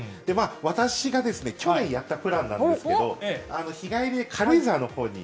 私が去年やったプランなんですけれども、日帰りで軽井沢のほうに。